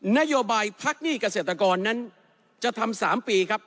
นโยบายพักหนี้เกษตรกรนั้นจะทำ๓ปีครับ